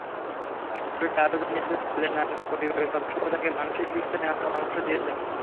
সূত্রটি আরও জানিয়েছে, সেলেনার পরিবারের সদস্যরা তাঁকে মানসিক চিকিৎসা নেওয়ার পরামর্শ দিয়েছেন।